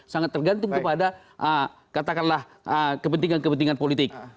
sangat tergantung kepada katakanlah kepentingan kepentingan politik